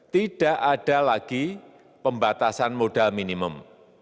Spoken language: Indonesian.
tidak ada lagi pembatasan modal minimum